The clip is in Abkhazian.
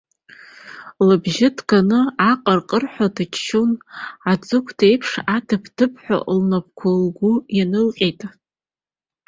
Лыбжьы ҭганы аҟырҟырҳәа дыччан, аӡыкәт еиԥш адаԥ-адаԥҳәа лнапқәа лган инанылҟьеит.